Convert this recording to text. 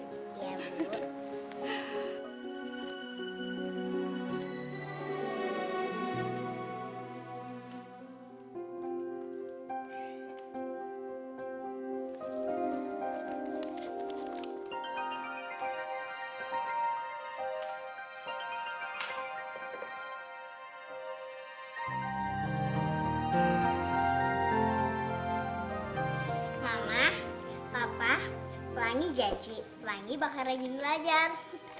mama papa pelangi janji pelangi bakal rajin belajar